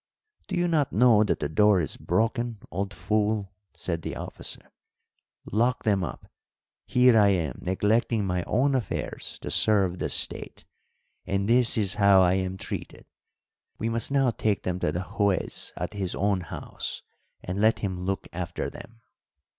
"Do you not know that the door is broken, old fool?" said the officer. "Lock them up! Here I am neglecting my own affairs to serve the State, and this is how I am treated. We must now take them to the Juez at his own house and let him look after them.